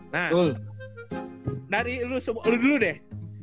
nah dari lu deh